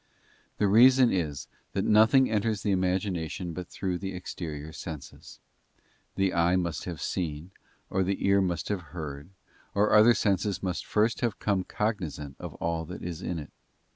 The reason is, that nothing enters the imagination but through the exterior senses. The eye must have seen, or the ear must have heard, or the other senses must first have become cognisant of all that isin it.